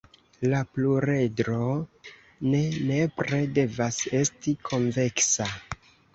La pluredro ne nepre devas esti konveksa.